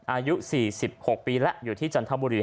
อายุ๔๖ปีแล้วอยู่ที่จันทบุรี